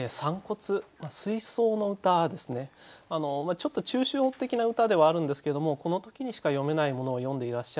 ちょっと抽象的な歌ではあるんですけれどもこの時にしか詠めないものを詠んでいらっしゃる。